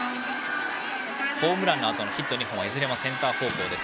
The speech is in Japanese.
ホームランのあとのヒット２本はいずれもセンター方向です。